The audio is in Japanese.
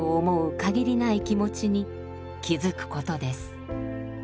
限りない気持ちに気づくことです。